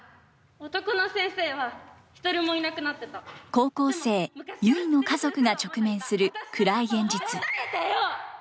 高校生ゆいの家族が直面する暗い現実。